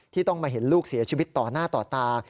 ต้องมาเห็นลูกเสียชีวิตต่อหน้าต่อตา